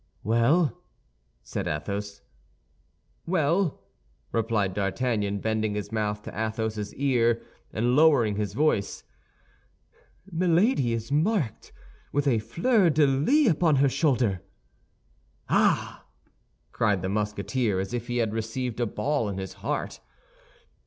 "Well?" said Athos. "Well," replied D'Artagnan, bending his mouth to Athos's ear, and lowering his voice, "Milady is marked with a fleur de lis upon her shoulder!" "Ah!" cried the Musketeer, as if he had received a ball in his heart.